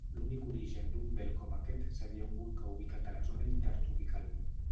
L'únic origen d'un vel com aquest seria un volcà ubicat a la zona intertropical.